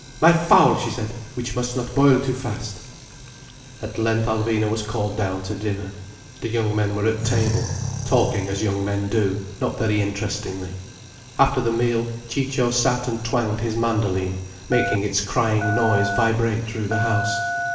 "My fowl," she said, "which must not boil too fast." At length Alvina was called down to dinner. The young men were at table, talking as young men do, not very interestingly. After the meal, Ciccio sat and twanged his mandoline, making its crying noise vibrate through the house.